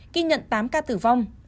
ghi nhận tám ca tử vong